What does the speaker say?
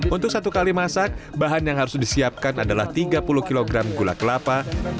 untuk satu kali masak bahan yang harus disiapkan adalah tiga puluh kg gula kelapa